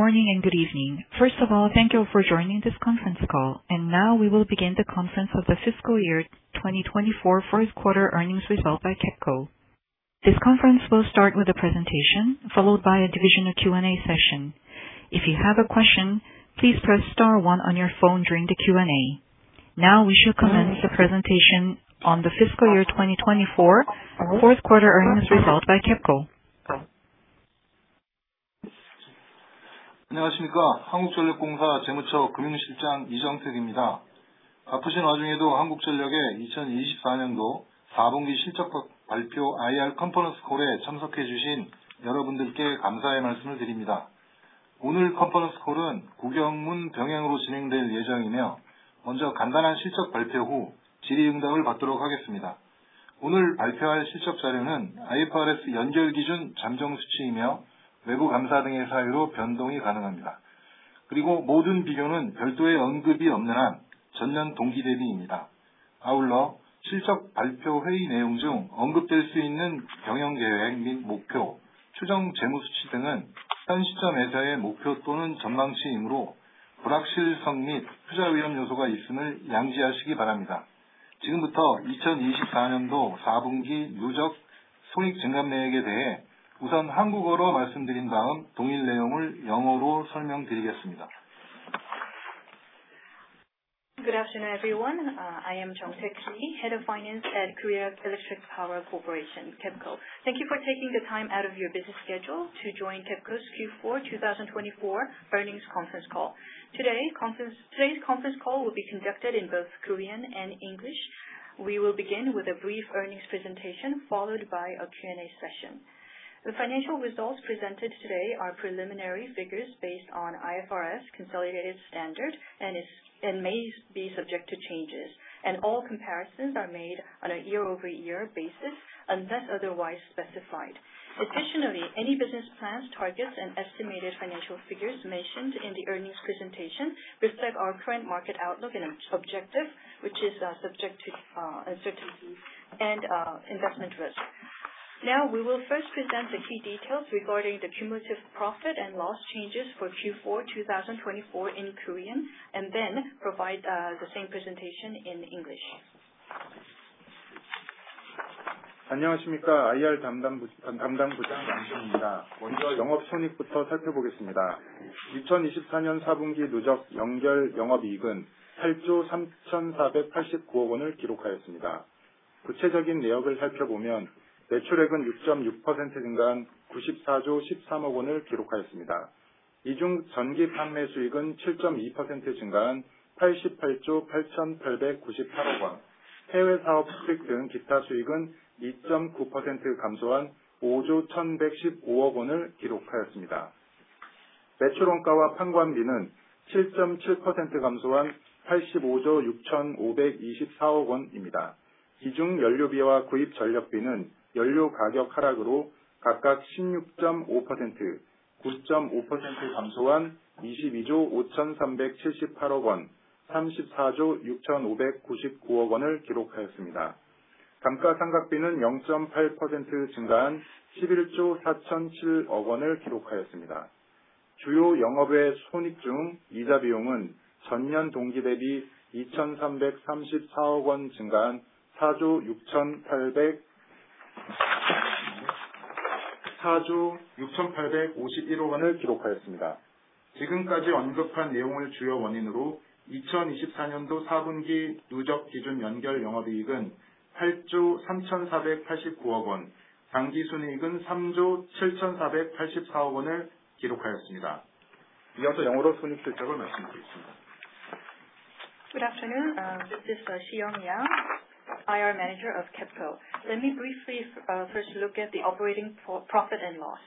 Good morning and good evening. First of all, thank you for joining this conference call. Now we will begin the conference of the fiscal year 2024, fourth quarter earnings result by KEPCO. This conference will start with a presentation, followed by a Q&A session. If you have a question, please press star one on your phone during the Q&A. Now we shall commence the presentation on the fiscal year 2024, fourth quarter earnings result by KEPCO. 안녕하십니까. 한국전력공사 재무처 금융실장 이정택입니다. 바쁘신 와중에도 한국전력의 2024년도 4분기 실적 발표 IR 컨퍼런스 콜에 참석해 주신 여러분들께 감사의 말씀을 드립니다. 오늘 컨퍼런스 콜은 국영문 병행으로 진행될 예정이며, 먼저 간단한 실적 발표 후 질의응답을 받도록 하겠습니다. 오늘 발표할 실적 자료는 IFRS 연결 기준 잠정 수치이며, 외부 감사 등의 사유로 변동이 가능합니다. 그리고 모든 비교는 별도의 언급이 없는 한 전년 동기 대비입니다. 아울러 실적 발표 회의 내용 중 언급될 수 있는 경영 계획 및 목표, 추정 재무 수치 등은 현 시점에서의 목표 또는 전망치이므로 불확실성 및 투자 위험 요소가 있음을 양지하시기 바랍니다. 지금부터 2024년도 4분기 누적 손익 증감 내역에 대해 우선 한국어로 말씀드린 다음, 동일 내용을 영어로 설명드리겠습니다. Good afternoon, everyone. I am Jeongtaek Lee, Head of Finance at Korea Electric Power Corporation, KEPCO. Thank you for taking the time out of your busy schedule to join KEPCO's Q4 2024 earnings conference call. Today's conference call will be conducted in both Korean and English. We will begin with a brief earnings presentation, followed by a Q&A session. The financial results presented today are preliminary figures based on IFRS Consolidated Standard and may be subject to changes. All comparisons are made on a year-over-year basis unless otherwise specified. Additionally, any business plans, targets, and estimated financial figures mentioned in the earnings presentation reflect our current market outlook and objective, which is subject to uncertainty and investment risk. Now, we will first present the key details regarding the cumulative profit and loss changes for Q4 2024 in Korean, and then provide the same presentation in English. 안녕하십니까. IR 담당 부장 남준입니다. 먼저 영업 손익부터 살펴보겠습니다. 2024년 4분기 누적 연결 영업이익은 ₩8조 3,489억을 기록하였습니다. 구체적인 내역을 살펴보면 매출액은 6.6% 증가한 ₩94조 13억을 기록하였습니다. 이중 전기 판매 수익은 7.2% 증가한 ₩88조 8,898억, 해외 사업 수익 등 기타 수익은 2.9% 감소한 ₩5조 1,115억을 기록하였습니다. 매출 원가와 판관비는 7.7% 감소한 ₩85조 6,524억입니다. 이중 연료비와 구입 전력비는 연료 가격 하락으로 각각 16.5%, 9.5% 감소한 ₩22조 5,378억, ₩34조 6,599억을 기록하였습니다. 감가상각비는 0.8% 증가한 ₩11조 4,007억을 기록하였습니다. 주요 영업 외 손익 중 이자 비용은 전년 동기 대비 ₩2,334억 증가한 ₩4조 6,851억을 기록하였습니다. 지금까지 언급한 내용을 주요 원인으로 2024년도 4분기 누적 기준 연결 영업이익은 ₩8조 3,489억, 당기 순이익은 ₩3조 7,484억을 기록하였습니다. 이어서 영어로 손익 실적을 말씀드리겠습니다. Good afternoon. This is Seong-Yeong, IR Manager of KEPCO. Let me briefly first look at the operating profit and loss.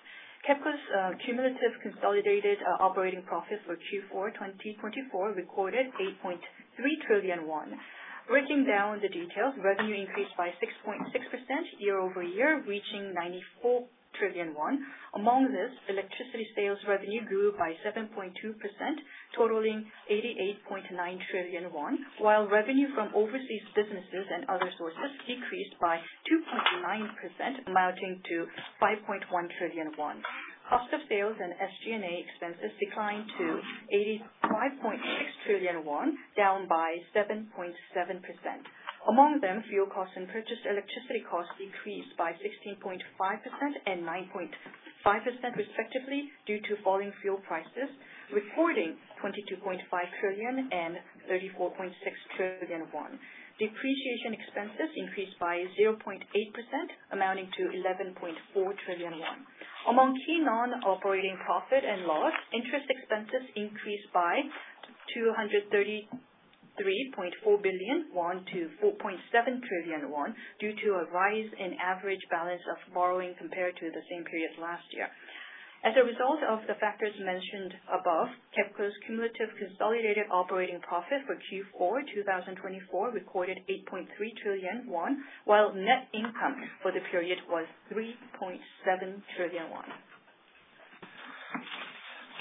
KEPCO's cumulative consolidated operating profit for Q4 2024 recorded ₩8.3 trillion. Breaking down the details, revenue increased by 6.6% year-over-year, reaching ₩94 trillion. Among this, electricity sales revenue grew by 7.2%, totaling ₩88.9 trillion, while revenue from overseas businesses and other sources decreased by 2.9%, amounting to ₩5.1 trillion. Cost of sales and SG&A expenses declined to ₩85.6 trillion, down by 7.7%. Among them, fuel costs and purchased electricity costs decreased by 16.5% and 9.5% respectively due to falling fuel prices, recording ₩22.5 trillion and ₩34.6 trillion. Depreciation expenses increased by 0.8%, amounting to ₩11.4 trillion. Among key non-operating profit and loss, interest expenses increased by ₩233.4 billion to ₩4.7 trillion due to a rise in average balance of borrowing compared to the same period last year. As a result of the factors mentioned above, KEPCO's cumulative consolidated operating profit for Q4 2024 recorded ₩8.3 trillion, while net income for the period was ₩3.7 trillion.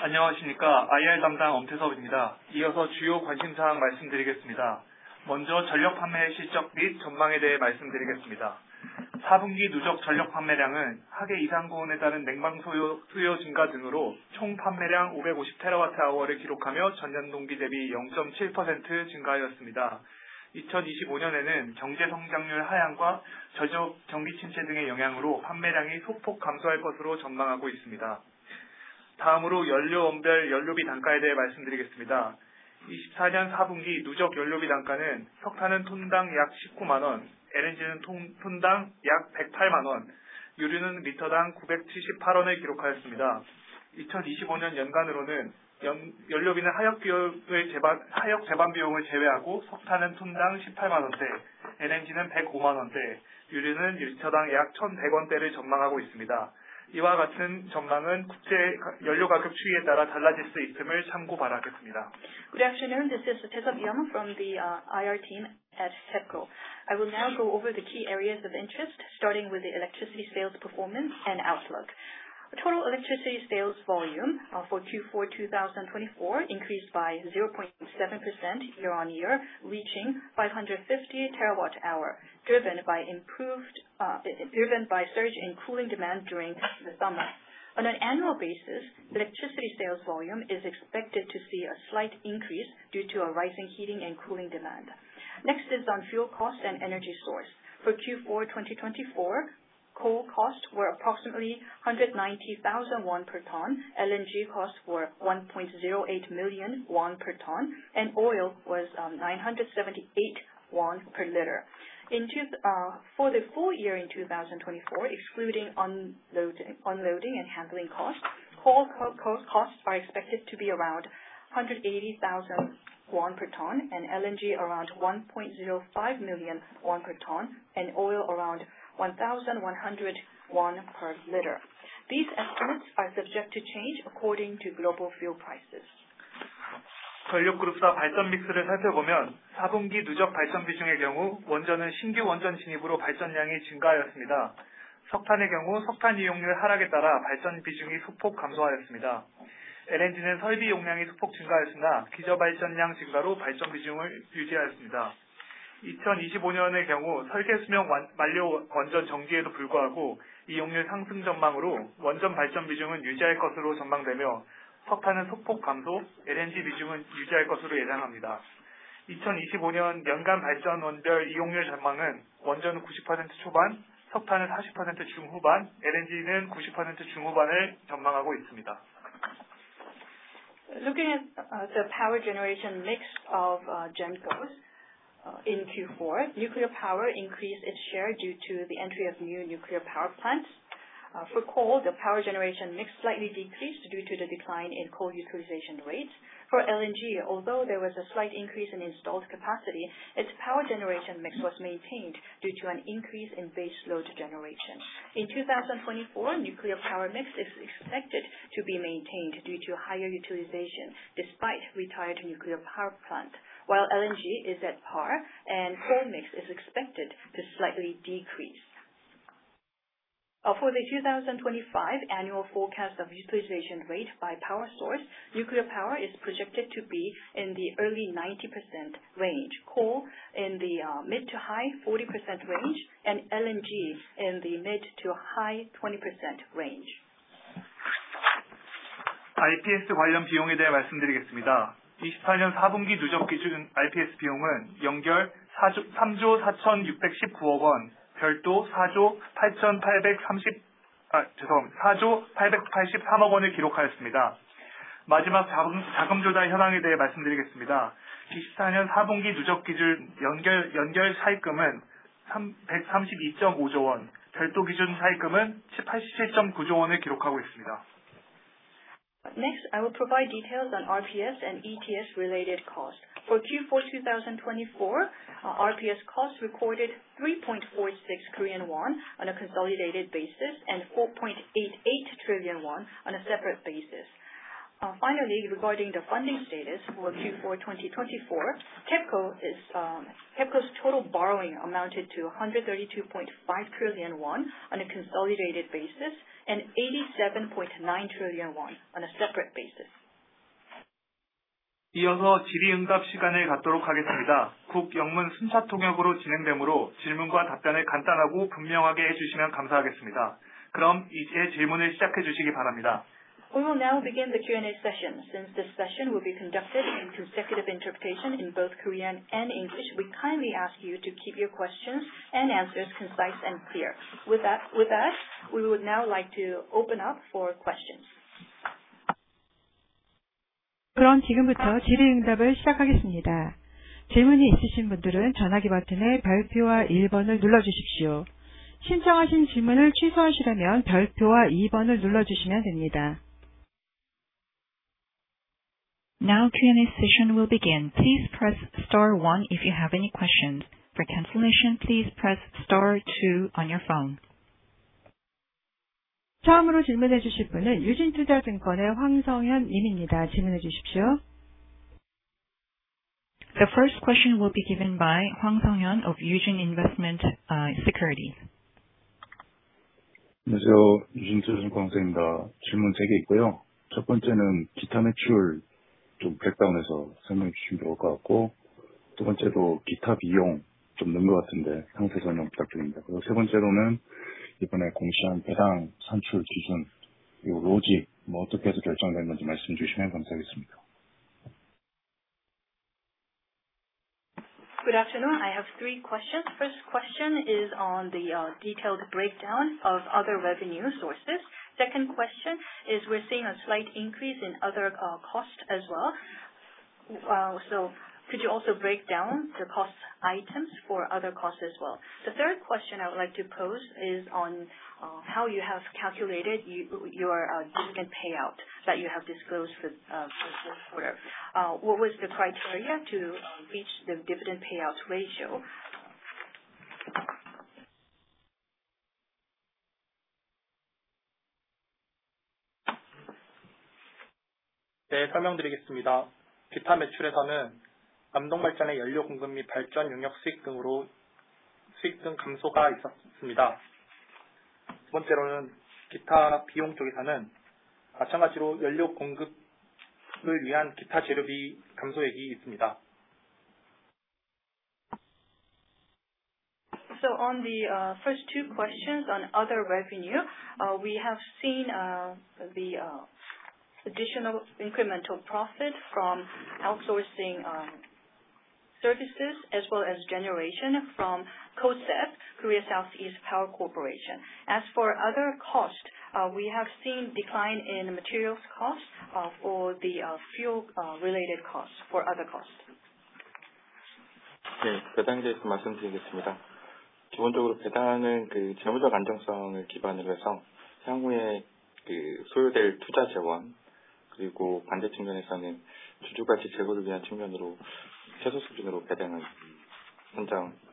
안녕하십니까. IR 담당 엄태섭입니다. 이어서 주요 관심 사항 말씀드리겠습니다. 먼저 전력 판매 실적 및 전망에 대해 말씀드리겠습니다. 4분기 누적 전력 판매량은 하계 이상 고온에 따른 냉방 수요 증가 등으로 총 판매량 550TWh를 기록하며 전년 동기 대비 0.7% 증가하였습니다. 2025년에는 경제 성장률 하향과 전력 경기 침체 등의 영향으로 판매량이 소폭 감소할 것으로 전망하고 있습니다. 다음으로 연료 원별 연료비 단가에 대해 말씀드리겠습니다. 2024년 4분기 누적 연료비 단가는 석탄은 톤당 약 ₩190,000, LNG는 톤당 약 ₩1,080,000, 유류는 리터당 ₩978을 기록하였습니다. 2025년 연간으로는 연료비는 하역 비용을 제외하고 석탄은 톤당 ₩180,000대, LNG는 ₩1,050,000대, 유류는 리터당 약 ₩1,100대를 전망하고 있습니다. 이와 같은 전망은 국제 연료 가격 추이에 따라 달라질 수 있음을 참고 바라겠습니다. Good afternoon. This is Te Seong-Yeong from the IR team at KEPCO. I will now go over the key areas of interest, starting with the electricity sales performance and outlook. Total electricity sales volume for Q4 2024 increased by 0.7% year-on-year, reaching 550 TWh, driven by surge in cooling demand during the summer. On an annual basis, electricity sales volume is expected to see a slight increase due to rising heating and cooling demand. Next is on fuel costs and energy source. For Q4 2024, coal costs were approximately ₩190,000 per ton, LNG costs were ₩1.08 million per ton, and oil was ₩978 per liter. For the full year in 2024, excluding unloading and handling costs, coal costs are expected to be around ₩180,000 per ton, and LNG around ₩1.05 million per ton, and oil around ₩1,100 per liter. These estimates are subject to change according to global fuel prices. 전력 그룹사 발전 믹스를 살펴보면, 4분기 누적 발전 비중의 경우 원전은 신규 원전 진입으로 발전량이 증가하였습니다. 석탄의 경우 석탄 이용률 하락에 따라 발전 비중이 소폭 감소하였습니다. LNG는 설비 용량이 소폭 증가하였으나, 기저 발전량 증가로 발전 비중을 유지하였습니다. 2025년의 경우 설계 수명 만료 원전 정지에도 불구하고 이용률 상승 전망으로 원전 발전 비중은 유지할 것으로 전망되며, 석탄은 소폭 감소, LNG 비중은 유지할 것으로 예상합니다. 2025년 연간 발전 원별 이용률 전망은 원전은 90% 초반, 석탄은 40% 중후반, LNG는 90% 중후반을 전망하고 있습니다. Looking at the power generation mix of GENCOs in Q4, nuclear power increased its share due to the entry of new nuclear power plants. For coal, the power generation mix slightly decreased due to the decline in coal utilization rates. For LNG, although there was a slight increase in installed capacity, its power generation mix was maintained due to an increase in base load generation. In 2024, nuclear power mix is expected to be maintained due to higher utilization despite retired nuclear power plant, while LNG is at par and coal mix is expected to slightly decrease. For the 2025 annual forecast of utilization rate by power source, nuclear power is projected to be in the early 90% range, coal in the mid to high 40% range, and LNG in the mid to high 20% range. IPS 관련 비용에 대해 말씀드리겠습니다. 24년 4분기 누적 기준 IPS 비용은 연결 3조 4,619억 원, 별도 4조 8,833억 원을 기록하였습니다. 마지막 자금 조달 현황에 대해 말씀드리겠습니다. 24년 4분기 누적 기준 연결 차입금은 132.5조 원, 별도 기준 차입금은 77.9조 원을 기록하고 있습니다. Next, I will provide details on RPS and ETS-related costs. For Q4 2024, RPS costs recorded ₩3.46 trillion on a consolidated basis and ₩4.88 trillion on a separate basis. Finally, regarding the funding status for Q4 2024, KEPCO's total borrowing amounted to ₩132.5 trillion on a consolidated basis and ₩87.9 trillion on a separate basis. 이어서 질의응답 시간을 갖도록 하겠습니다. 국영문 순차 통역으로 진행되므로 질문과 답변을 간단하고 분명하게 해주시면 감사하겠습니다. 그럼 이제 질문을 시작해 주시기 바랍니다. We will now begin the Q&A session. Since this session will be conducted in consecutive interpretation in both Korean and English, we kindly ask you to keep your questions and answers concise and clear. With that, we would now like to open up for questions. 그럼 지금부터 질의응답을 시작하겠습니다. 질문이 있으신 분들은 전화기 버튼의 별표와 1번을 눌러주십시오. 신청하신 질문을 취소하시려면 별표와 2번을 눌러주시면 됩니다. Now Q&A session will begin. Please press star one if you have any questions. For cancellation, please press star two on your phone. 처음으로 질문해 주실 분은 유진투자증권의 황성현 님입니다. 질문해 주십시오. The first question will be given by Hwang Seong-hyun of Eugene Investment & Securities. 안녕하세요. 유진투자증권에서입니다. 질문 세개 있고요. 첫 번째는 기타 매출 좀 브레이크다운해서 설명해 주시면 좋을 것 같고, 두 번째도 기타 비용 좀 넣은 것 같은데 상세 설명 부탁드립니다. 그리고 세 번째로는 이번에 공시한 배당 산출 기준, 그리고 로직 뭐 어떻게 해서 결정된 건지 말씀해 주시면 감사하겠습니다. Good afternoon. I have three questions. First question is on the detailed breakdown of other revenue sources. Second question is we're seeing a slight increase in other costs as well. So could you also break down the cost items for other costs as well? The third question I would like to pose is on how you have calculated your dividend payout that you have disclosed for the fourth quarter. What was the criteria to reach the dividend payout ratio? 네, 설명드리겠습니다. 기타 매출에서는 남동발전의 연료 공급 및 발전 용역 수익 등으로 수익 감소가 있었습니다. 두 번째로는 기타 비용 쪽에서는 마찬가지로 연료 공급을 위한 기타 재료비 감소액이 있습니다. On the first two questions on other revenue, we have seen the additional incremental profit from outsourcing services as well as generation from KOSEP, Korea Southeast Power Corporation. As for other costs, we have seen a decline in materials costs for the fuel-related costs for other costs. 네, 배당에 대해서 말씀드리겠습니다. 기본적으로 배당은 재무적 안정성을 기반으로 해서 향후에 소요될 투자 재원, 그리고 반대 측면에서는 주주 가치 제고를 위한 측면으로 최소 수준으로 배당은 산정되었습니다.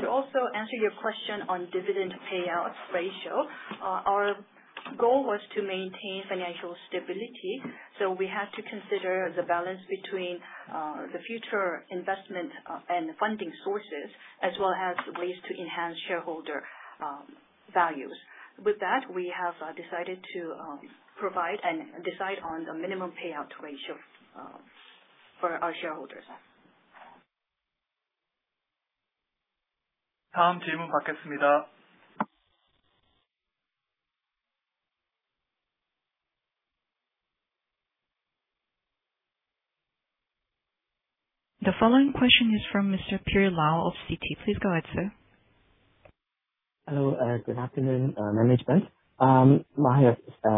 To also answer your question on dividend payout ratio, our goal was to maintain financial stability, so we had to consider the balance between the future investment and funding sources as well as ways to enhance shareholder values. With that, we have decided to provide and decide on the minimum payout ratio for our shareholders. 다음 질문 받겠습니다. The following question is from Mr. Pierre Lau of Citi. Please go ahead, sir. Hello, good afternoon, management. My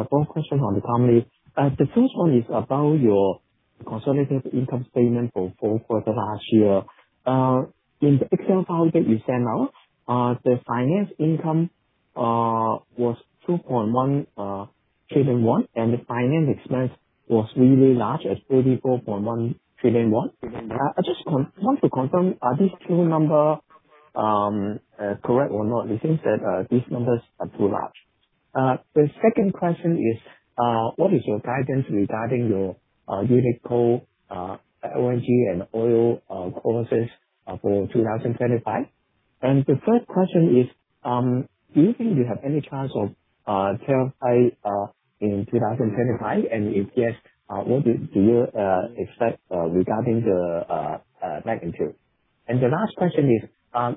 bonus question on the family. The first one is about your consolidated income statement for the last year. In the Excel file that you sent out, the finance income was ₩2.1 trillion, and the finance expense was really large at ₩34.1 trillion. I just want to confirm, are these two numbers correct or not? It seems that these numbers are too large. The second question is, what is your guidance regarding your unit coal, LNG, and oil costs for 2025? The third question is, do you think you have any chance of tariff hike in 2025? If yes, what do you expect regarding the magnitude? The last question is,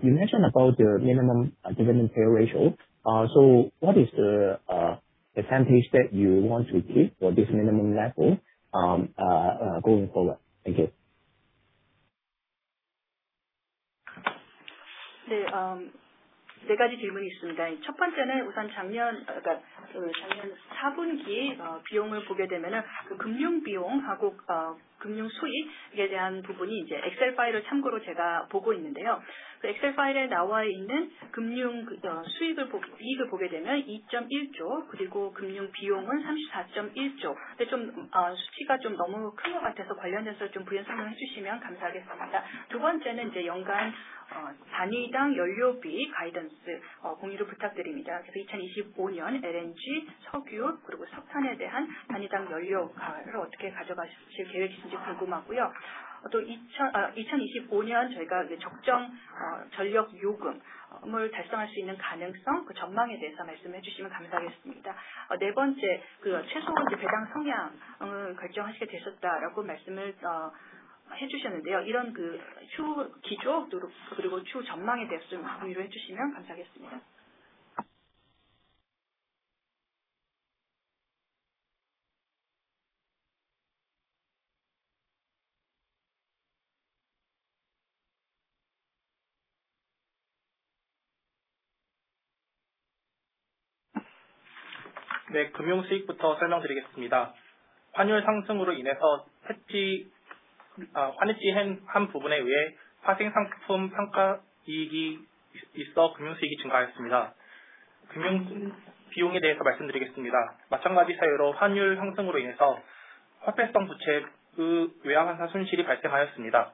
you mentioned about the minimum dividend payout ratio. What is the percentage that you want to keep for this minimum level going forward? Thank you. 네, 네 가지 질문이 있습니다. 첫 번째는 우선 작년 4분기 비용을 보게 되면 금융 비용하고 금융 수익에 대한 부분이 Excel 파일을 참고로 제가 보고 있는데요. Excel 파일에 나와 있는 금융 수익을 보게 되면 ₩2.1조, 그리고 금융 비용은 ₩34.1조. 좀 수치가 너무 큰것 같아서 관련돼서 좀 부연 설명해 주시면 감사하겠습니다. 두 번째는 연간 단위당 연료비 가이던스 공유를 부탁드립니다. 그래서 2025년 LNG, 석유, 그리고 석탄에 대한 단위당 연료가를 어떻게 가져가실 계획이신지 궁금하고요. 또 2025년 저희가 적정 전력 요금을 달성할 수 있는 가능성, 그 전망에 대해서 말씀해 주시면 감사하겠습니다. 네 번째, 최소 배당 성향을 결정하시게 되셨다고 말씀을 해주셨는데요. 이런 추후 기조, 그리고 추후 전망에 대해서 좀 공유를 해주시면 감사하겠습니다. 네, 금융 수익부터 설명드리겠습니다. 환율 상승으로 인해서 환입익 한 부분에 의해 파생상품 평가 이익이 있어 금융 수익이 증가하였습니다. 금융 비용에 대해서 말씀드리겠습니다. 마찬가지 사유로 환율 상승으로 인해서 화폐성 부채의 외화환산 손실이 발생하였습니다.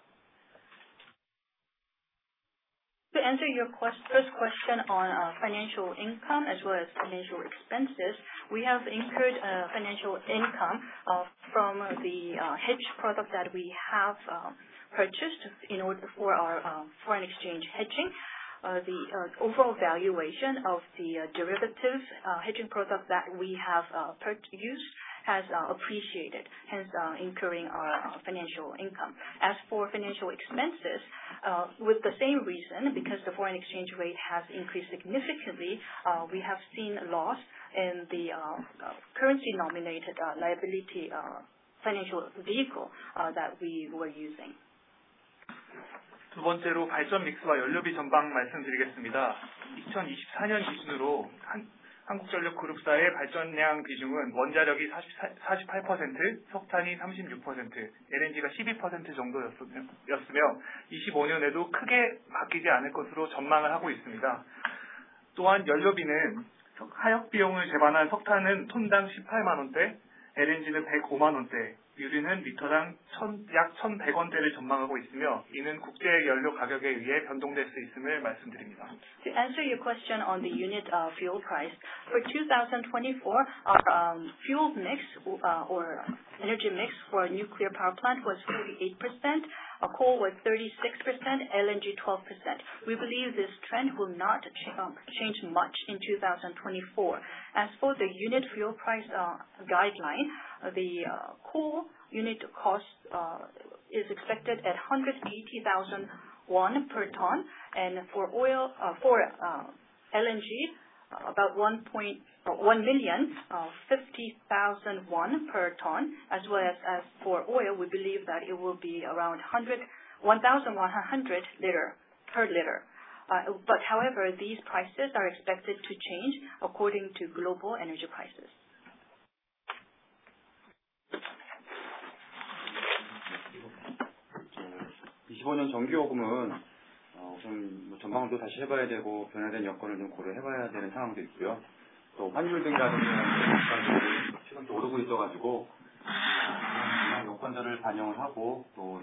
To answer your first question on financial income as well as financial expenses, we have incurred financial income from the hedge product that we have purchased in order for our foreign exchange hedging. The overall valuation of the derivative hedging product that we have used has appreciated, hence incurring our financial income. As for financial expenses, with the same reason, because the foreign exchange rate has increased significantly, we have seen loss in the currency-denominated liability financial vehicle that we were using. 두 번째로 발전 믹스와 연료비 전망 말씀드리겠습니다. 2024년 기준으로 한국전력 그룹사의 발전량 비중은 원자력이 48%, 석탄이 36%, LNG가 12% 정도였으며, 2025년에도 크게 바뀌지 않을 것으로 전망하고 있습니다. 또한 연료비는 하역 비용을 포함한 석탄은 톤당 ₩180,000대, LNG는 ₩1,050,000대, 유류는 리터당 약 ₩1,100대를 전망하고 있으며, 이는 국제 연료 가격에 의해 변동될 수 있음을 말씀드립니다. To answer your question on the unit fuel price, for 2024, our fuel mix or energy mix for nuclear power plant was 48%, coal was 36%, LNG 12%. We believe this trend will not change much in 2024. As for the unit fuel price guideline, the coal unit cost is expected at ₩180,000 per ton, and for LNG, about ₩1,050,000 per ton, as well as for oil, we believe that it will be around ₩1,100 per liter. These prices are expected to change according to global energy prices. 25년 정기 요금은 좀 전망도 다시 해봐야 되고 변화된 여건을 좀 고려해봐야 되는 상황도 있고요. 또 환율 등이라든지 각종 지금 오르고 있어가지고 이런 여건들을 반영을 하고 또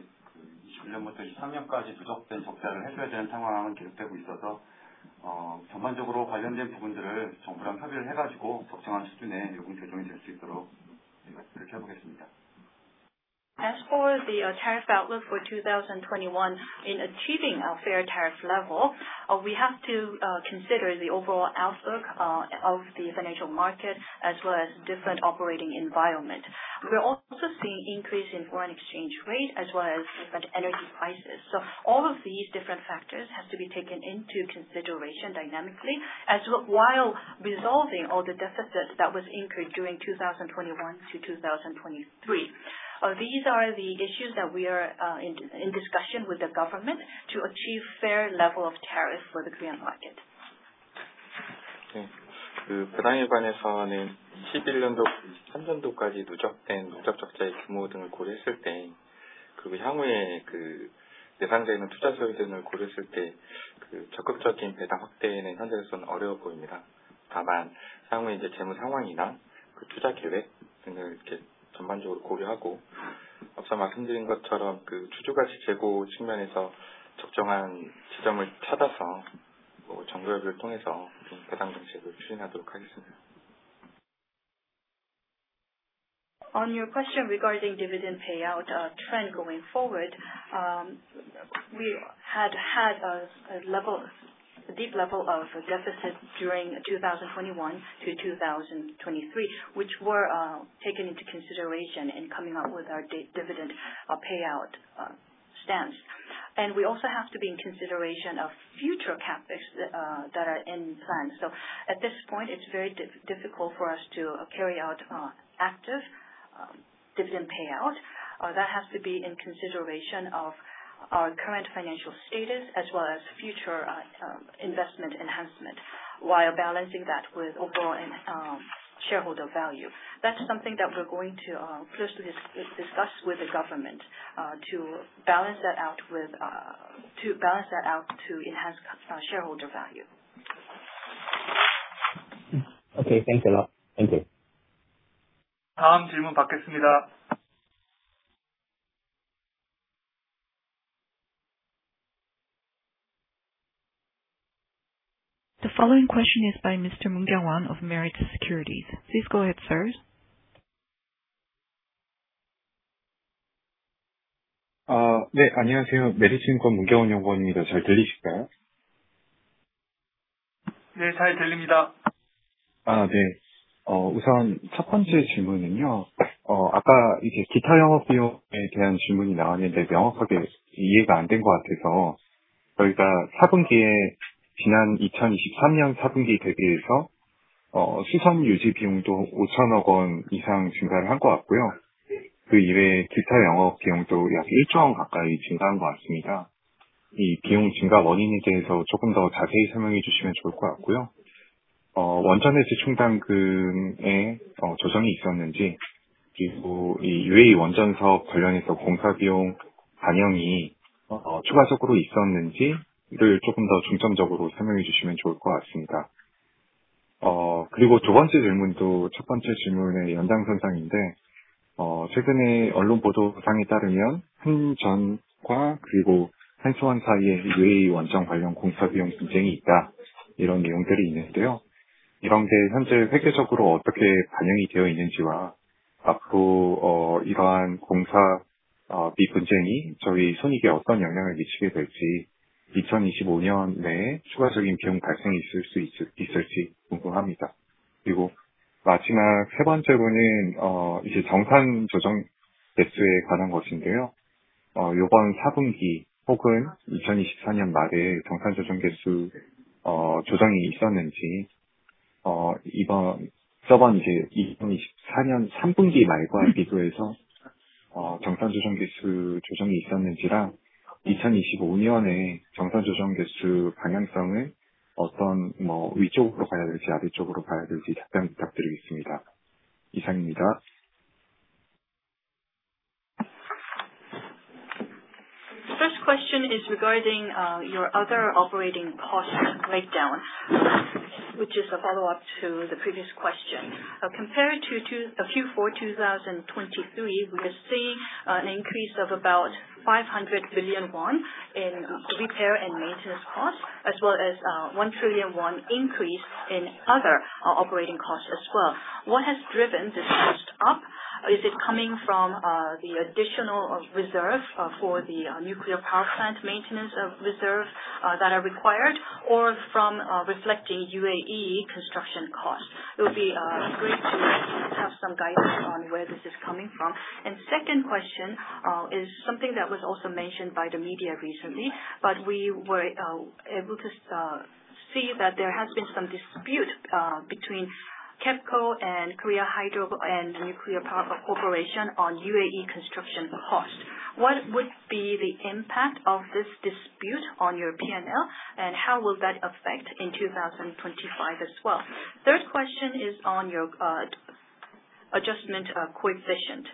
21년부터 23년까지 누적된 적자를 해소해야 되는 상황은 계속되고 있어서 전반적으로 관련된 부분들을 정부랑 협의를 해가지고 적정한 수준에 요금 조정이 될수 있도록 노력해보겠습니다. As for the tariff outlook for 2021, in achieving a fair tariff level, we have to consider the overall outlook of the financial market as well as different operating environment. We're also seeing an increase in foreign exchange rate as well as different energy prices. All of these different factors have to be taken into consideration dynamically while resolving all the deficits that were incurred during 2021 to 2023. These are the issues that we are in discussion with the government to achieve a fair level of tariff for the Korean market. 배당에 관해서는 2021년도부터 2023년도까지 누적된 누적 적자의 규모 등을 고려했을 때, 그리고 향후에 예상되는 투자 수요 등을 고려했을 때 적극적인 배당 확대는 현재로서는 어려워 보입니다. 다만 향후에 재무 상황이나 투자 계획 등을 전반적으로 고려하고, 앞서 말씀드린 것처럼 주주 가치 제고 측면에서 적정한 지점을 찾아서 정기적으로 배당 정책을 추진하도록 하겠습니다. On your question regarding dividend payout trend going forward, we had a deep level of deficit during 2021 to 2023, which were taken into consideration in coming up with our dividend payout stance. We also have to be in consideration of future capex that are in plan. At this point, it's very difficult for us to carry out active dividend payout. That has to be in consideration of our current financial status as well as future investment enhancement while balancing that with overall shareholder value. That's something that we're going to closely discuss with the government to balance that out to enhance shareholder value. Okay, thank you a lot. Thank you. 다음 질문 받겠습니다. The following question is by Mr. Moon Kyung-won of Meritz Securities. Please go ahead, sir. 네, 안녕하세요. 메리츠증권 문경원 연구원입니다. 잘 들리실까요? 네, 잘 들립니다. 네, 우선 첫 번째 질문은요. 아까 기타 영업 비용에 대한 질문이 나왔는데 명확하게 이해가 안된것 같아서 저희가 4분기에 지난 2023년 4분기 대비해서 수선 유지 비용도 ₩5,000억 이상 증가를 한것 같고요. 그 이외에 기타 영업 비용도 약 ₩1조 가까이 증가한 것 같습니다. 이 비용 증가 원인에 대해서 조금 더 자세히 설명해 주시면 좋을 것 같고요. 원전 회수 충당금에 조정이 있었는지, 그리고 UAE 원전 사업 관련해서 공사 비용 반영이 추가적으로 있었는지를 조금 더 중점적으로 설명해 주시면 좋을 것 같습니다. 그리고 두 번째 질문도 첫 번째 질문의 연장선상인데, 최근에 언론 보도상에 따르면 한전과 그리고 한수원 사이에 UAE 원전 관련 공사 비용 분쟁이 있다, 이런 내용들이 있는데요. 이런 게 현재 회계적으로 어떻게 반영이 되어 있는지와 앞으로 이러한 공사비 분쟁이 저희 손익에 어떤 영향을 미치게 될지, 2025년에 추가적인 비용 발생이 있을 수 있을지 궁금합니다. 그리고 마지막 세 번째로는 정산 조정 개수에 관한 것인데요. 이번 4분기 혹은 2024년 말에 정산 조정 개수 조정이 있었는지, 저번 2024년 3분기 말과 비교해서 정산 조정 개수 조정이 있었는지랑 2025년에 정산 조정 개수 방향성은 어떤 위쪽으로 가야 될지 아래쪽으로 가야 될지 답변 부탁드리겠습니다. 이상입니다. The first question is regarding your other operating cost breakdown, which is a follow-up to the previous question. Compared to Q4 2023, we are seeing an increase of about ₩500 billion in repair and maintenance costs, as well as ₩1 trillion increase in other operating costs as well. What has driven this cost up? Is it coming from the additional reserve for the nuclear power plant maintenance reserve that are required, or from reflecting UAE construction costs? It would be great to have some guidance on where this is coming from. The second question is something that was also mentioned by the media recently, but we were able to see that there has been some dispute between KEPCO and Korea Hydro and Nuclear Power Corporation on UAE construction costs. What would be the impact of this dispute on your P&L, and how will that affect in 2025 as well? The third question is on your adjustment coefficient.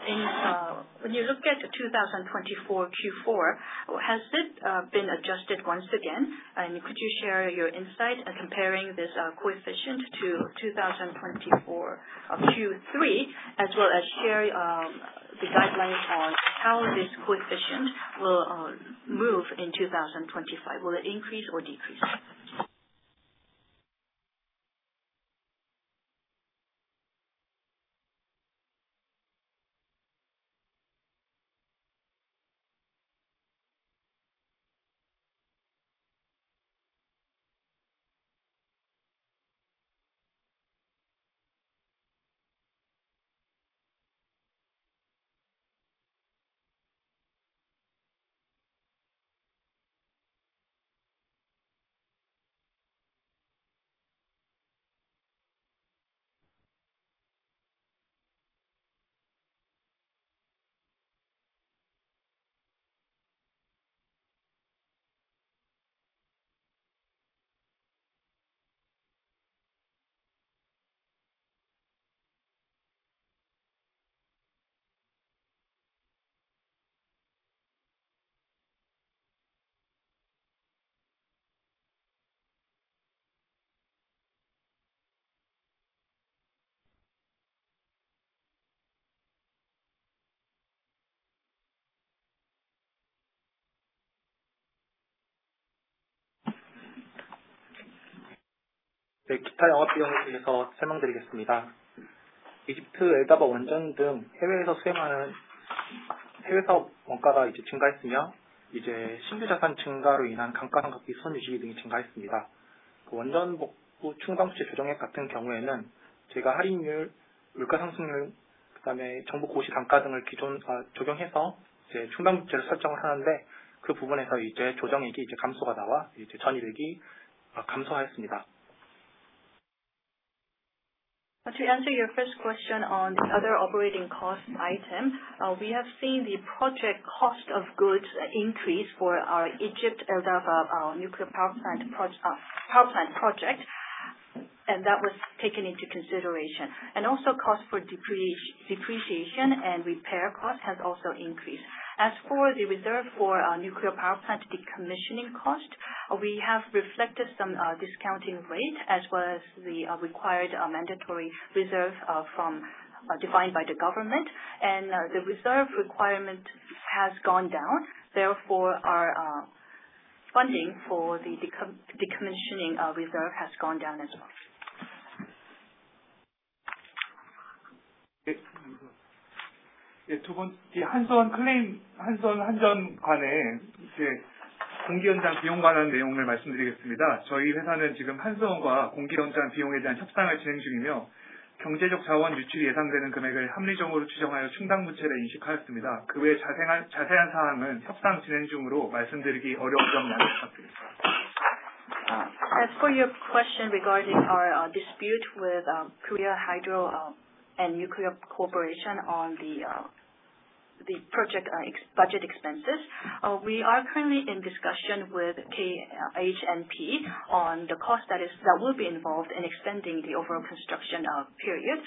When you look at 2024 Q4, has it been adjusted once again? Could you share your insight comparing this coefficient to 2024 Q3, as well as share the guidelines on how this coefficient will move in 2025? Will it increase or decrease? 기타 영업 비용에 대해서 설명드리겠습니다. 이집트 엘다바 원전 등 해외에서 수행하는 해외 사업 원가가 증가했으며, 신규 자산 증가로 인한 감가상각비, 수선 유지비 등이 증가했습니다. 원전 복구 충당 부채 조정액 같은 경우에는 저희가 할인율, 물가 상승률, 그다음에 정부 고시 단가 등을 기존 적용해서 충당 부채를 설정을 하는데, 그 부분에서 조정액이 감소가 나와 전입액이 감소하였습니다. To answer your first question on the other operating cost item, we have seen the project cost of goods increase for our Egypt El Dabaa nuclear power plant project, and that was taken into consideration. Also, cost for depreciation and repair cost has also increased. As for the reserve for nuclear power plant decommissioning cost, we have reflected some discounting rate as well as the required mandatory reserve defined by the government, and the reserve requirement has gone down. Therefore, our funding for the decommissioning reserve has gone down as well. 두 번째, 한수원 클레임, 한수원 한전 관해 공기 연장 비용 관한 내용을 말씀드리겠습니다. 저희 회사는 지금 한수원과 공기 연장 비용에 대한 협상을 진행 중이며, 경제적 자원 유출이 예상되는 금액을 합리적으로 추정하여 충당 부채를 인식하였습니다. 그외 자세한 사항은 협상 진행 중으로 말씀드리기 어려운 점 양해 부탁드립니다. As for your question regarding our dispute with Korea Hydro and Nuclear Corporation on the project budget expenses, we are currently in discussion with KHNP on the cost that will be involved in extending the overall construction period.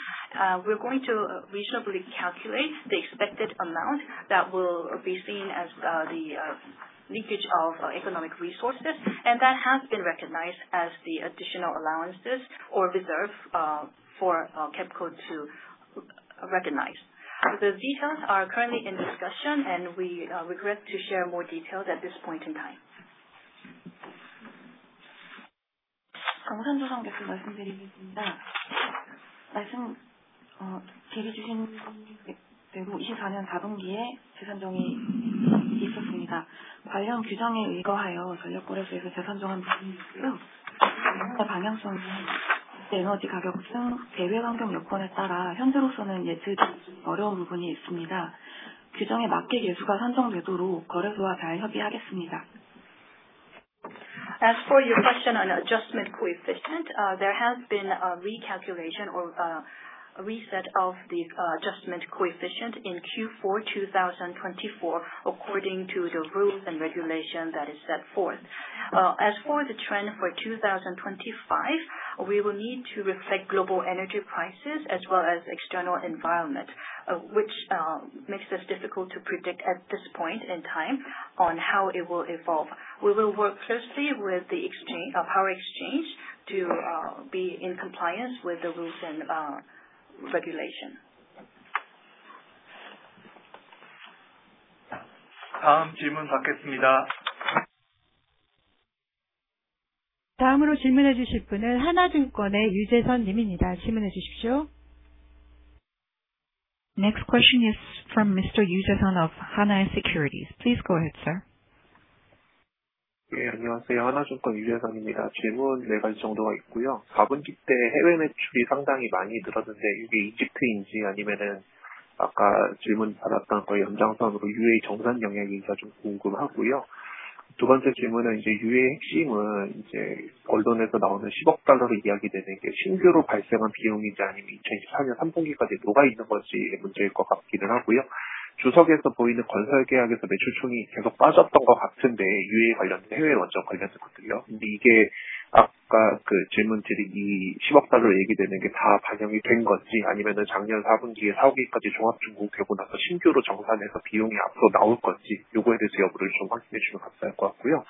We're going to reasonably calculate the expected amount that will be seen as the leakage of economic resources, and that has been recognized as the additional allowances or reserve for KEPCO to recognize. The details are currently in discussion, and we regret to share more details at this point in time. 정산 조정 개수 말씀드리겠습니다. 말씀해 주신 대로 2024년 4분기에 재정산이 있었습니다. 관련 규정에 의거하여 전력거래소에서 재정산한 부분이 있고요. 방향성은 국제 에너지 가격 등 대외 환경 여건에 따라 현재로서는 예측이 어려운 부분이 있습니다. 규정에 맞게 계수가 산정되도록 거래소와 잘 협의하겠습니다. As for your question on adjustment coefficient, there has been a recalculation or reset of the adjustment coefficient in Q4 2024 according to the rules and regulations that are set forth. As for the trend for 2025, we will need to reflect global energy prices as well as external environment, which makes it difficult for us to predict at this point in time how it will evolve. We will work closely with the power exchange to be in compliance with the rules and regulations. 다음 질문 받겠습니다. 다음으로 질문해 주실 분은 하나증권의 유재선 님입니다. 질문해 주십시오. Next question is from Mr. Yoo Jae-sun of Hana Securities. Please go ahead, sir. 네, 안녕하세요. 하나증권 유재선입니다. 질문 네 가지 정도가 있고요. 4분기 때 해외 매출이 상당히 많이 늘었는데, 이게 이집트인지 아니면 아까 질문 받았던 연장선으로 UAE 정산 영향인지가 좀 궁금하고요. 두 번째 질문은 UAE 핵심은 언론에서 나오는 $10억으로 이야기되는 게 신규로 발생한 비용인지 아니면 2024년 3분기까지 녹아있는 건지의 문제일 것 같기는 하고요. 주석에서 보이는 건설 계약에서 매출 총액이 계속 빠졌던 것 같은데, UAE 관련된 해외 원전 관련된 것들이요. 근데 이게 아까 질문 드린 이 $10억으로 얘기되는 게다 반영이 된 건지 아니면 작년 4분기에 4, 5기까지 종합 준공되고 나서 신규로 정산해서 비용이 앞으로 나올 건지 이거에 대해서 여부를 좀 확인해 주면 감사할 것 같고요.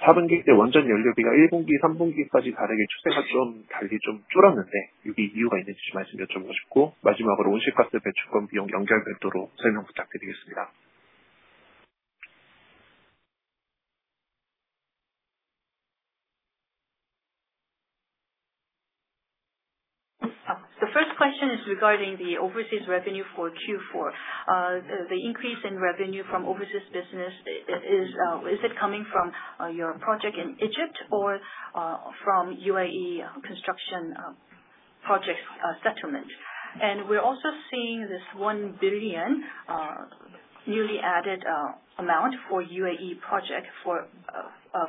4분기 때 원전 연료비가 1분기, 3분기까지 다르게 추세가 좀 달리 좀 줄었는데, 이게 이유가 있는지 좀 말씀 여쭤보고 싶고 마지막으로 온실가스 배출권 비용 연결 별도로 설명 부탁드리겠습니다. The first question is regarding the overseas revenue for Q4. The increase in revenue from overseas business, is it coming from your project in Egypt or from UAE construction projects settlement? We're also seeing this $1 billion newly added amount for UAE project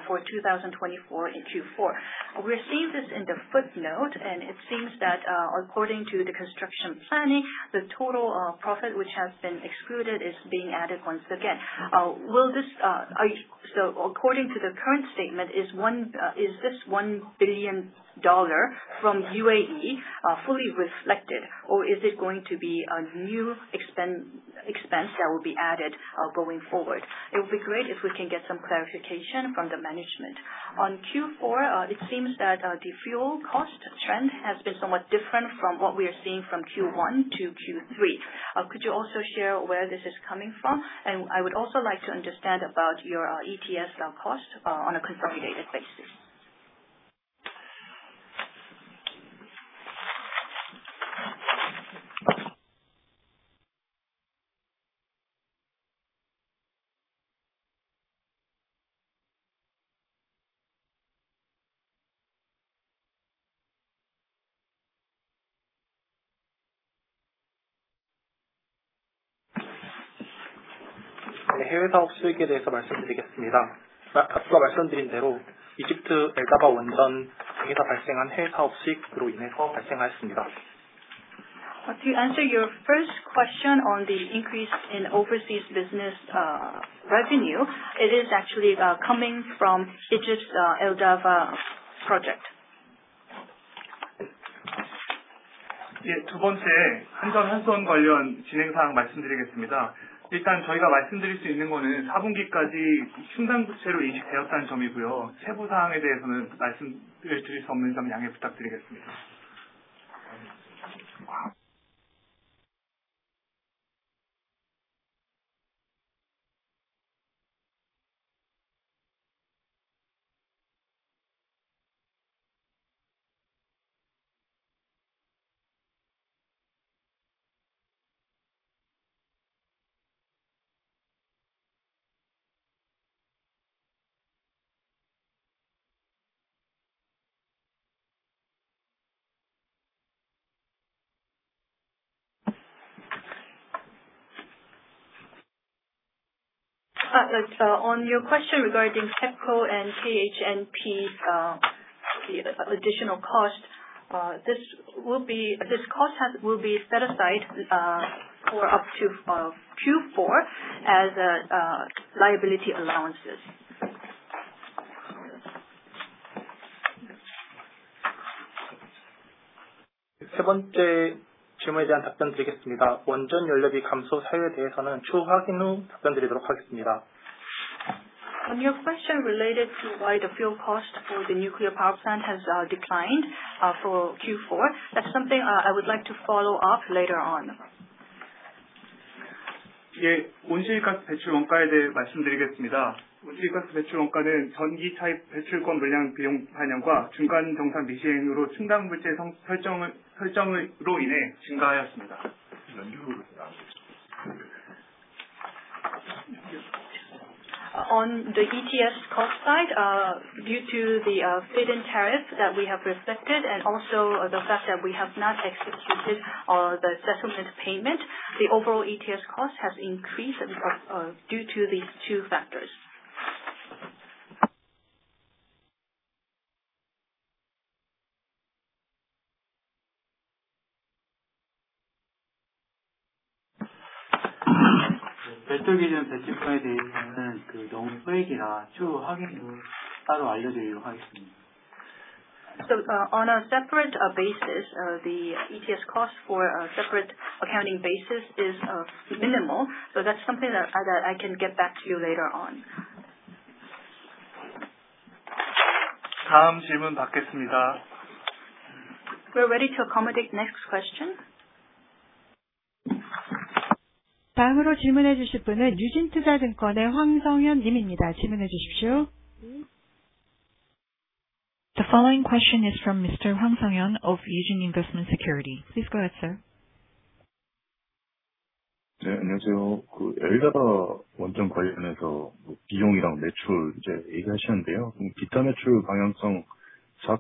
for 2024 in Q4. We're seeing this in the footnote, and it seems that according to the construction planning, the total profit which has been excluded is being added once again. According to the current statement, is this $1 billion from UAE fully reflected, or is it going to be a new expense that will be added going forward? It would be great if we can get some clarification from the management. On Q4, it seems that the fuel cost trend has been somewhat different from what we are seeing from Q1 to Q3. Could you also share where this is coming from? I would also like to understand about your ETS cost on a consolidated basis. 해외 사업 수익에 대해서 말씀드리겠습니다. 앞서 말씀드린 대로 이집트 엘다바 원전에서 발생한 해외 사업 수익으로 인해서 발생하였습니다. To answer your first question on the increase in overseas business revenue, it is actually coming from Egypt's Eldorado project. 두 번째, 한전 한수원 관련 진행 사항 말씀드리겠습니다. 일단 저희가 말씀드릴 수 있는 것은 4분기까지 충당부채로 인식되었다는 점이고요. 세부 사항에 대해서는 말씀을 드릴 수 없는 점 양해 부탁드리겠습니다. On your question regarding KEPCO and KHNP's additional cost, this cost will be set aside for up to Q4 as liability allowances. 세 번째 질문에 대한 답변 드리겠습니다. 원전 연료비 감소 사유에 대해서는 추후 확인 후 답변 드리도록 하겠습니다. On your question related to why the fuel cost for the nuclear power plant has declined for Q4, that's something I would like to follow up later on. 온실가스 배출 원가에 대해 말씀드리겠습니다. 온실가스 배출 원가는 전기차 배출권 물량 비용 반영과 중간 정산 미시행으로 충당 부채 설정으로 인해 증가하였습니다. On the ETS cost side, due to the free allocation that we have reflected and also the fact that we have not executed the settlement payment, the overall ETS cost has increased due to these two factors. 배터리 관련 배출권에 대해서는 너무 소액이라 추후 확인 후 따로 알려드리도록 하겠습니다. On a separate basis, the ETS cost for a separate accounting basis is minimal, so that's something that I can get back to you later on. 다음 질문 받겠습니다. We're ready to accommodate the next question. 다음으로 질문해 주실 분은 유진투자증권의 황성현 님입니다. 질문해 주십시오. The following question is from Mr. 황성현 of Yujin Investment Security. Please go ahead, sir. 안녕하세요. 엘다바 원전 관련해서 비용이랑 매출 얘기하시는데요. 기타 매출 방향성 4, 5,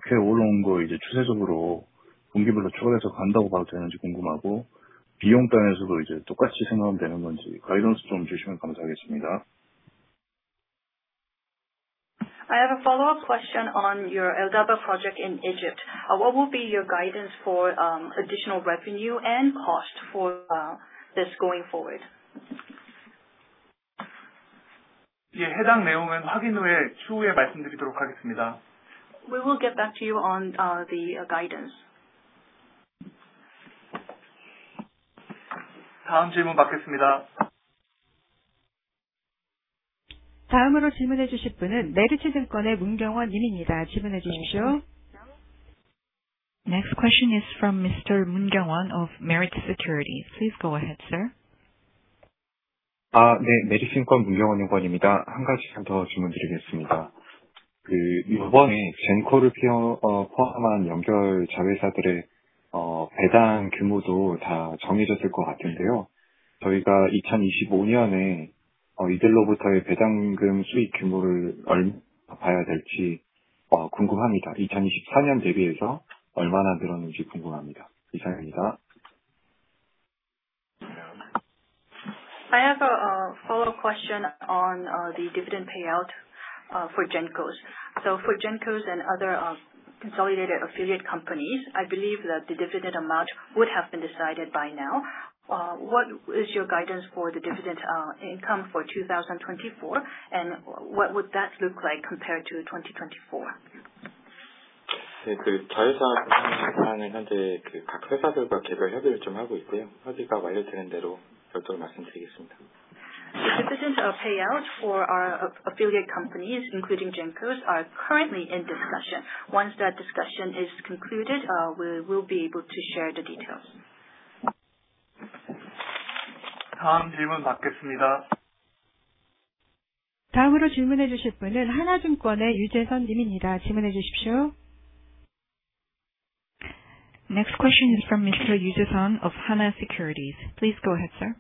6월 추세적으로 분기별로 추가돼서 간다고 봐도 되는지 궁금하고, 비용 단위에서도 똑같이 생각하면 되는 건지 가이던스 좀 주시면 감사하겠습니다. I have a follow-up question on your Eldava project in Egypt. What will be your guidance for additional revenue and cost for this going forward? 해당 내용은 확인 후에 추후에 말씀드리도록 하겠습니다. We will get back to you on the guidance. 다음 질문 받겠습니다. 다음으로 질문해 주실 분은 메리츠증권의 문경원 님입니다. 질문해 주십시오. Next question is from Mr. 문경원 of Meritz Securities. Please go ahead, sir. 메리츠증권 문경원 연구원입니다. 한 가지 더 질문드리겠습니다. 이번에 젠코를 포함한 연결 자회사들의 배당 규모도 다 정해졌을 것 같은데요. 저희가 2025년에 이들로부터의 배당금 수익 규모를 얼마나 봐야 될지 궁금합니다. 2024년 대비해서 얼마나 늘었는지 궁금합니다. 이상입니다. I have a follow-up question on the dividend payout for GENCO. For Jenkos and other consolidated affiliate companies, I believe that the dividend amount would have been decided by now. What is your guidance for the dividend income for 2024, and what would that look like compared to 2023? 자회사 분야에서는 현재 각 회사들과 개별 협의를 하고 있고요. 협의가 완료되는 대로 별도로 말씀드리겠습니다. The dividend payout for our affiliate companies, including Jenkos, are currently in discussion. Once that discussion is concluded, we will be able to share the details. 다음 질문 받겠습니다. 다음으로 질문해 주실 분은 하나증권의 유재선 님입니다. 질문해 주십시오. Next question is from Mr. Yoo Jae-sun of Hana Securities. Please go ahead, sir.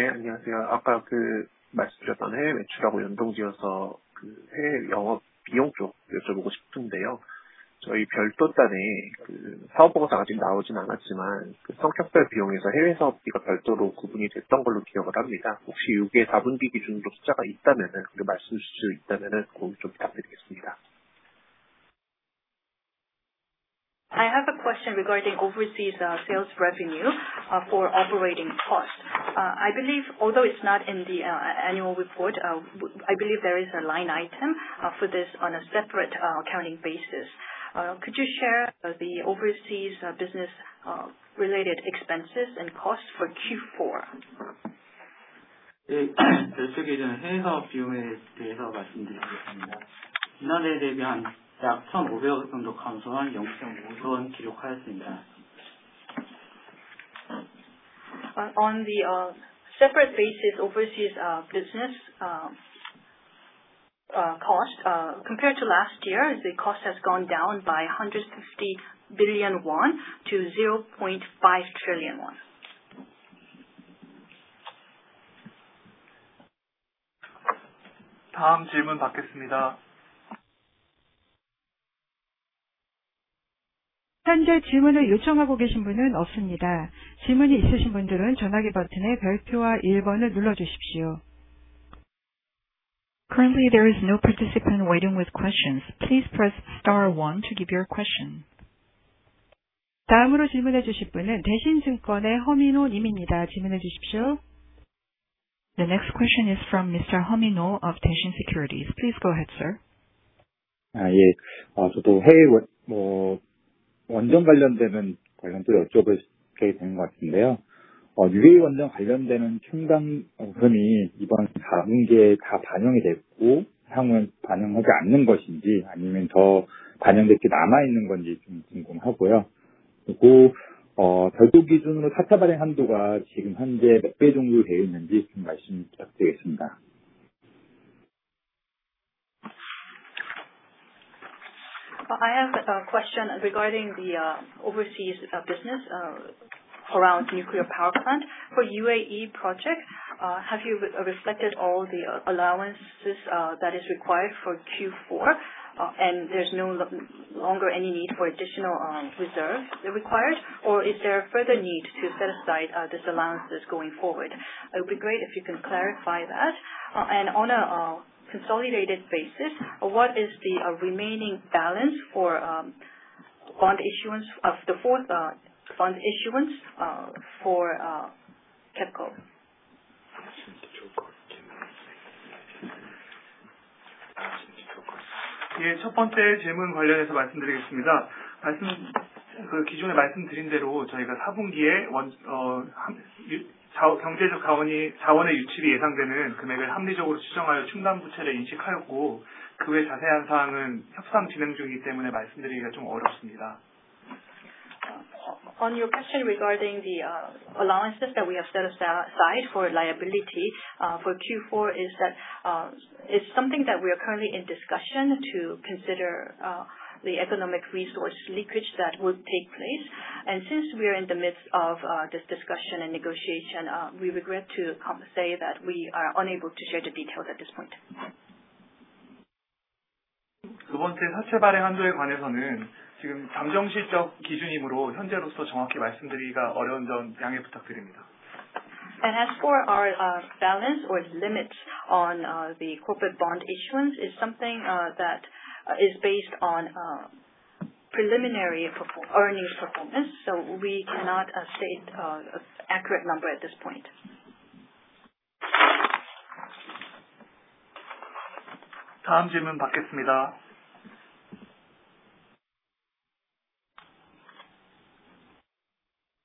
안녕하세요. 아까 말씀드렸던 해외 매출하고 연동지어서 해외 영업 비용 쪽 여쭤보고 싶은데요. 저희 별도 단위 사업 보고서 아직 나오진 않았지만 성격별 비용에서 해외 사업비가 별도로 구분이 됐던 걸로 기억을 합니다. 혹시 이게 4분기 기준으로 숫자가 있다면 말씀해 주실 수 있다면 그걸 좀 부탁드리겠습니다. I have a question regarding overseas sales revenue for operating costs. Although it's not in the annual report, I believe there is a line item for this on a separate accounting basis. Could you share the overseas business-related expenses and costs for Q4? 별도 기준 해외 사업 비용에 대해서 말씀드리겠습니다. 지난해 대비 약 1,500억 원 정도 감소한 5,000억 원을 기록하였습니다. On a separate basis, overseas business cost, compared to last year, the cost has gone down by ₩150 billion to ₩0.5 trillion. 다음 질문 받겠습니다. 현재 질문을 요청하고 계신 분은 없습니다. 질문이 있으신 분들은 전화기 버튼의 별표와 1번을 눌러주십시오. Currently, there is no participant waiting with questions. Please press star one to give your question. 다음으로 질문해 주실 분은 대신증권의 허민호 님입니다. 질문해 주십시오. The next question is from Mr. 허민호 of Daeshin Securities. Please go ahead, sir. 저도 해외 원전 관련되는 관련 또 여쭤볼 게 되는 것 같은데요. UAE 원전 관련되는 충당금이 이번 4분기에 다 반영이 됐고 향후에 반영하지 않는 것인지 아니면 더 반영될 게 남아있는 건지 좀 궁금하고요. 그리고 별도 기준으로 4차 발행 한도가 지금 현재 몇배 정도 되어 있는지 좀 말씀 부탁드리겠습니다. I have a question regarding the overseas business around nuclear power plant. For UAE project, have you reflected all the allowances that are required for Q4, and there's no longer any need for additional reserves required, or is there a further need to set aside these allowances going forward? It would be great if you can clarify that. On a consolidated basis, what is the remaining balance for fund issuance of the fourth fund issuance for KEPCO? 첫 번째 질문 관련해서 말씀드리겠습니다. 기존에 말씀드린 대로 저희가 4분기에 경제적 자원의 유출이 예상되는 금액을 합리적으로 추정하여 충당부채를 인식하였고, 그외 자세한 사항은 협상 진행 중이기 때문에 말씀드리기가 좀 어렵습니다. On your question regarding the allowances that we have set aside for liability for Q4, is that something that we are currently in discussion to consider the economic resource leakage that would take place? Since we are in the midst of this discussion and negotiation, we regret to say that we are unable to share the details at this point. 두 번째, 4차 발행 한도에 관해서는 지금 잠정 실적 기준이므로 현재로서 정확히 말씀드리기가 어려운 점 양해 부탁드립니다. As for our balance or limits on the corporate bond issuance, it's something that is based on preliminary earnings performance, so we cannot state an accurate number at this point. 다음 질문 받겠습니다.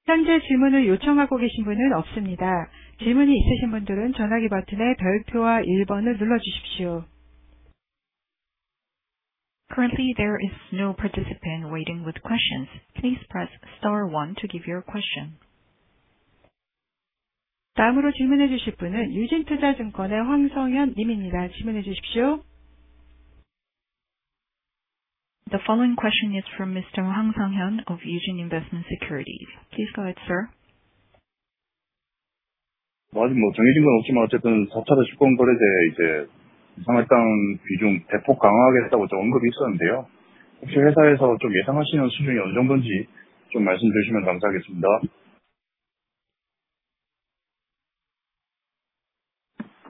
현재 질문을 요청하고 계신 분은 없습니다. 질문이 있으신 분들은 전화기 버튼의 별표와 1번을 눌러주십시오. Currently, there is no participant waiting with questions. Please press star one to give your question. 다음으로 질문해 주실 분은 유진투자증권의 황성현 님입니다. 질문해 주십시오. The following question is from Mr. 황성현 of Yujin Investment Securities. Please go ahead, sir. 정해진 건 없지만 어쨌든 4차 대출권 거래제에서 상한 당 비중 대폭 강화하겠다고 언급이 있었는데요. 혹시 회사에서 예상하시는 수준이 어느 정도인지 말씀해 주시면 감사하겠습니다.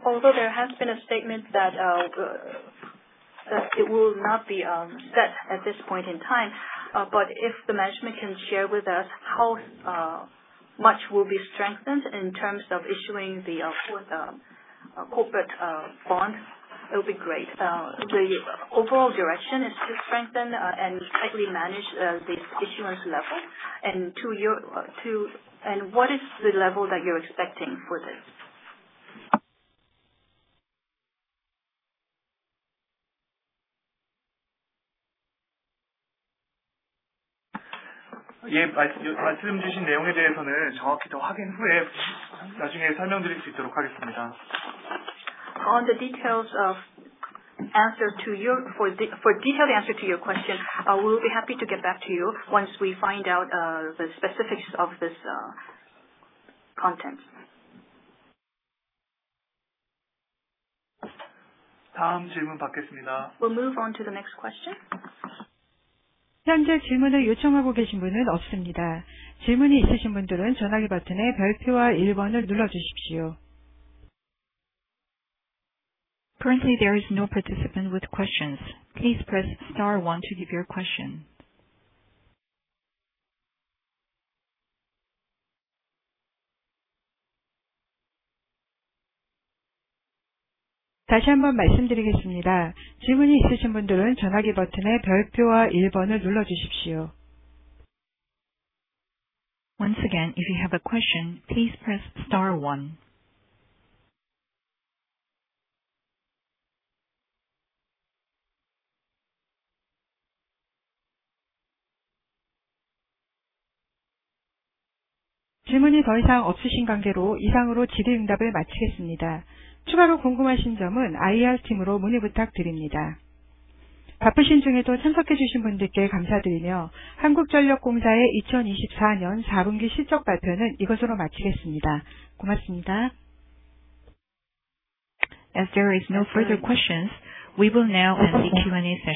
Over there has been a statement that it will not be set at this point in time, but if the management can share with us how much will be strengthened in terms of issuing the fourth corporate bond, it would be great. The overall direction is to strengthen and tightly manage the issuance level. What is the level that you're expecting for this? 말씀해 주신 내용에 대해서는 정확히 더 확인 후에 나중에 설명드릴 수 있도록 하겠습니다. On the details of, for detailed answer to your question, we will be happy to get back to you once we find out the specifics of this content. 다음 질문 받겠습니다. We'll move on to the next question. 현재 질문을 요청하고 계신 분은 없습니다. 질문이 있으신 분들은 전화기 버튼의 별표와 1번을 눌러주십시오. Currently, there is no participant with questions. Please press star one to give your question. 다시 한번 말씀드리겠습니다. 질문이 있으신 분들은 전화기 버튼의 별표와 1번을 눌러주십시오. Once again, if you have a question, please press star one. 질문이 더 이상 없으신 관계로 이상으로 질의응답을 마치겠습니다. 추가로 궁금하신 점은 IR팀으로 문의 부탁드립니다. 바쁘신 중에도 참석해 주신 분들께 감사드리며, 한국전력공사의 2024년 4분기 실적 발표는 이것으로 마치겠습니다. 고맙습니다. As there are no further questions, we will now end the Q&A session.